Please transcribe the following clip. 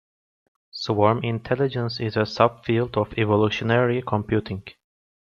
Swarm intelligence is a sub-field of evolutionary computing.